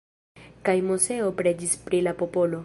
Kaj Moseo preĝis pri la popolo.